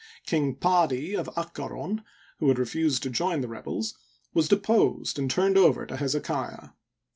King Pddt, of Akkaron, who had refused to join the rebels, was deposed and turned over to Hezekiah.